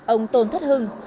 ông tôn thất hưng